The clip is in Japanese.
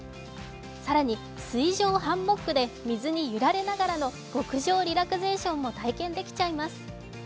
更に水上ハンモックで水に揺られながらの極上リラクゼーションも体験できちゃいます。